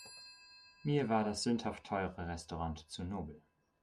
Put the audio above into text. Mir war das sündhaft teure Restaurant zu nobel.